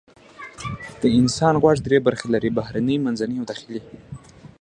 د انسان غوږ درې برخې لري: بهرنی، منځنی او داخلي.